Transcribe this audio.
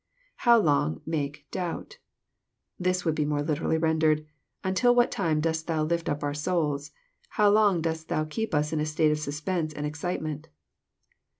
IHovf long.., make... doubt.] This would be more literally ren dered, " Until what time dost Thou lift up our souls ? How long dost Thou keep us in a state of suspense and excitement?